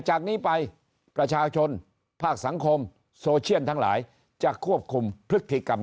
จากนี้ไปประชาชนภาคสังคมโซเชียลทั้งหลายจะควบคุมพฤติกรรม